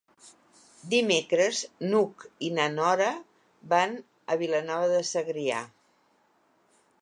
Dimecres n'Hug i na Nora van a Vilanova de Segrià.